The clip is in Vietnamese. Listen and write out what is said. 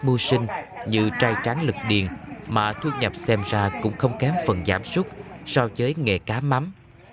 mưu sinh như trai tráng lực điền mà thu nhập xem ra cũng không kém phần giảm súc so với nghề cá mắm